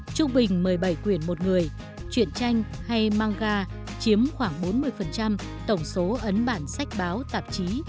trung bình một mươi bảy quyển một người truyện tranh hay manga chiếm khoảng bốn mươi tổng số ấn bản sách báo tạp chí